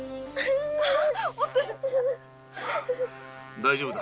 大丈夫だ。